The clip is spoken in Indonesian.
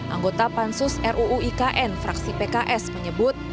anggota pansus ruu ikn fraksi pks menyebut